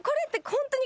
ホントに。